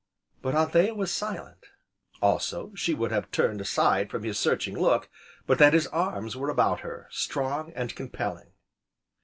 But Anthea was silent, also, she would have turned aside from his searching look, but that his arms were about her, strong, and compelling.